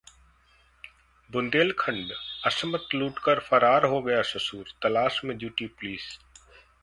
बुंदेलखंड: अस्मत लूटकर फरार हो गया ससुर, तलाश में जुटी पुलिस